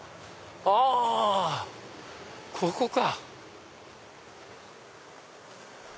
あここか。